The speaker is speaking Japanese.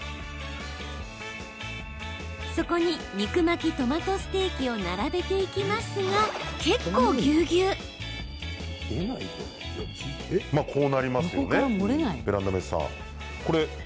そこに肉巻きトマトステーキを並べていきますが結構、ぎゅうぎゅう！